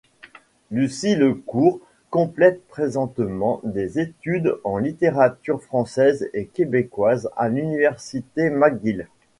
Lucie Lecours complète présentement des études en littérature française et québécoise à l’Université McGill.